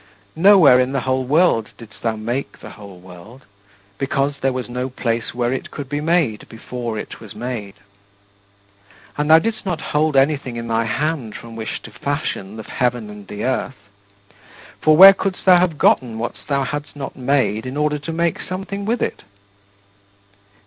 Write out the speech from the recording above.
Nowhere in the whole world didst thou make the whole world, because there was no place where it could be made before it was made. And thou didst not hold anything in thy hand from which to fashion the heaven and the earth, for where couldst thou have gotten what thou hadst not made in order to make something with it?